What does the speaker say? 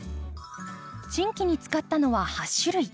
チンキに使ったのは８種類。